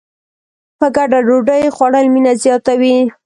په ګډه ډوډۍ خوړل مینه زیاتوي.